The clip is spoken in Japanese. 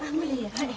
はい。